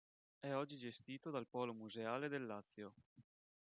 È oggi gestito dal Polo Museale del Lazio.